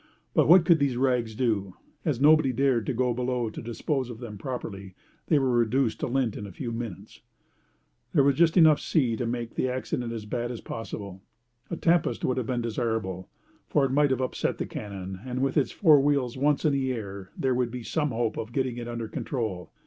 But what could these rags do? As nobody dared to go below to dispose of them properly, they were reduced to lint in a few minutes. There was just sea enough to make the accident as bad as possible. A tempest would have been desirable, for it might have upset the cannon, and with its four wheels once in the air there would be some hope of getting it under control.